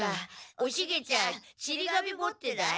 おシゲちゃんちり紙持ってない？